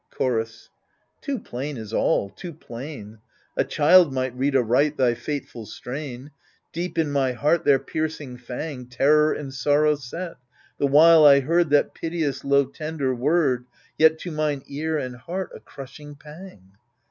Chorus Too plain is all, too plain ! A child might read aright thy fateful strain. Deep in my heart their piercing fang Terror and sorrow set, the while I heard That piteous, low, tender word, Yet to mine ear and heart a crushing pang.